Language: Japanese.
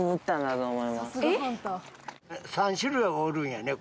３種類はおるんやね